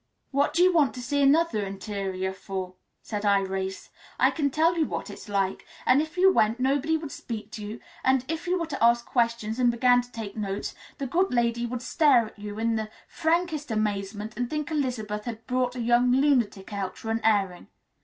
"What do you want to see another interior for?" asked Irais. "I can tell you what it is like; and if you went nobody would speak to you, and if you were to ask questions, and began to take notes, the good lady would stare at you in the frankest amazement, and think Elizabeth had brought a young lunatic out for an airing.